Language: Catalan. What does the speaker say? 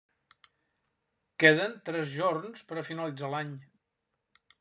Queden tres jorns per a finalitzar l'any.